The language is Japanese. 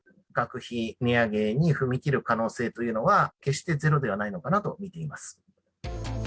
学費値上げに踏み切る可能性というのは、決してゼロではないのかなと見ています。